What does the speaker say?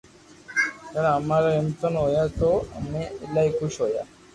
جڻا امارا امتحان ھوتا تو امي ايلائي خوݾ ھوتا